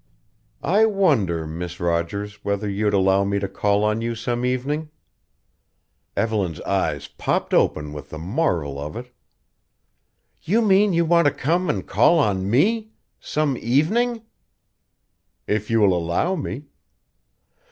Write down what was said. "I wonder, Miss Rogers, whether you'd allow me to call on you some evening?" Evelyn's eyes popped open with the marvel of it. "You mean you want to come and call on me? Some evening?" "If you will allow me."